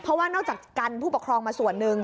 เพราะว่านอกจากกันผู้ปกครองมาส่วนหนึ่ง